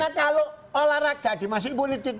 karena kalau olahraga dimasuki politik